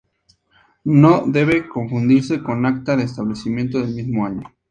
No debe confundirse con Acta de Establecimiento del mismo año.